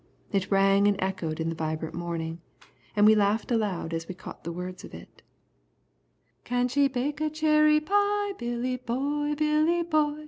It rang and echoed in the vibrant morning, and we laughed aloud as we caught the words of it: "Can she bake a cherry pie, Billy Boy, Billy Boy?